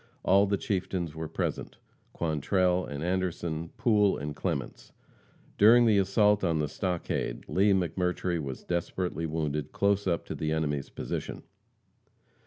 All the chieftains were present, Quantrell and Anderson, Poole and Clements. During the assault on the stockade, Lee McMurtry was desperately wounded close up to the enemy's position.